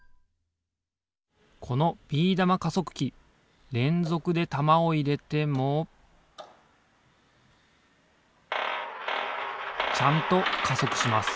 このビー玉加速器れんぞくで玉をいれてもちゃんと加速します